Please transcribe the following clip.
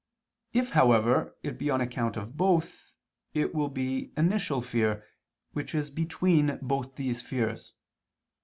If, however, it be on account of both, it will be initial fear, which is between both these fears.